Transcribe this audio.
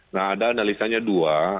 nah ada analisanya dua